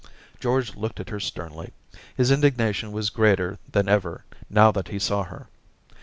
George looked at her sternly. His indigna tion was greater than ever now that he saw her.